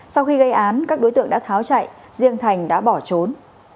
sau khi gây án các đối tượng đã tháo chạy riêng thành đã bỏ trốn